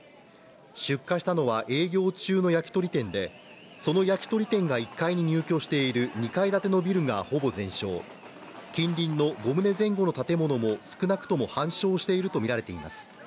出火したのは営業中の焼き鳥店で、その焼き鳥店が１階に入居している２階建てビルがほぼ全焼、近隣の５棟前後の建物も少なくとも半焼しているとみられています。